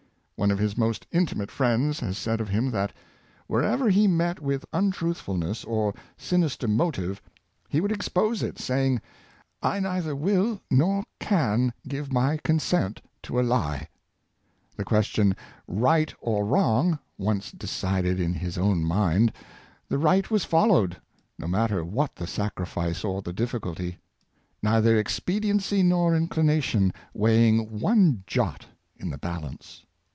One of his most intimate friends has said of him that, wherever he met with untruthfulness or sinister motive, he would expose it, saying, " I neither will, nor can, Virtue of Tritthf illness, 503 give my consent to a lie." The question, " right or wrong," once decided in his own mind, the right was followed, no matter what the sacrifice or the difficulty — neither expediency nor inclination weighing one jot in the balance.